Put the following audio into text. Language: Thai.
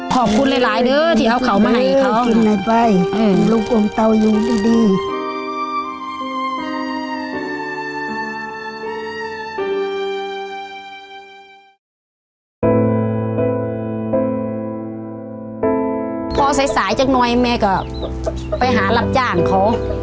ขอบคุณหลายเดิ้อที่เอาเขามันให้เขา